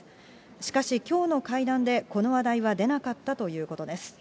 しかし、きょうの会談で、この話題は出なかったということです。